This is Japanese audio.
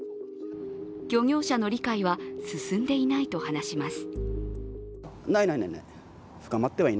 漁業者の理解は進んでいないと話します。